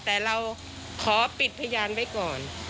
แต่เราขอปิดพยานไว้ก่อน